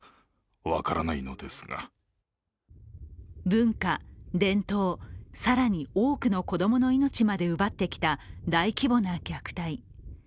文化、伝統、更に多くの子供の命まで奪ってきた大規模な虐待。